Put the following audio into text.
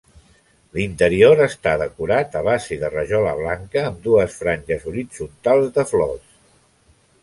L'interior està decorat a base de rajola blanca, amb dues franges horitzontals de flors.